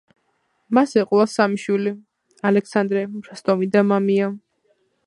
მას ეყოლა სამი შვილი: ალექსანდრე, როსტომი და მამია.